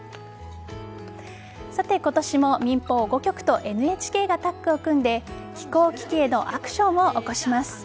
さて今年も民放５局とＮＨＫがタッグを組んで気候危機へのアクションを起こします。